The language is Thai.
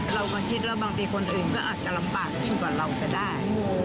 เราก็คิดว่าบางทีคนอื่นก็อาจจะลำบากยิ่งกว่าเราก็ได้